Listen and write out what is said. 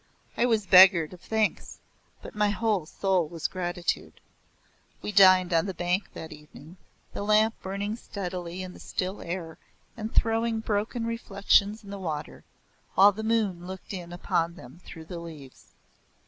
I was beggared of thanks, but my whole soul was gratitude. We dined on the bank that evening, the lamp burning steadily in the still air and throwing broken reflections in the water, while the moon looked in upon them through the leaves.